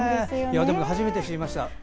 初めて知りました。